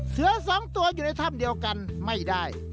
เสือสองตัวอยู่ในถ้ำเดียวกันไม่ได้